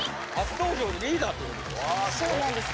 そうなんです